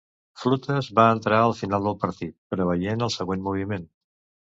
Flutes va entra al final del partit, preveient el següent moviment.